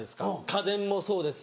家電もそうです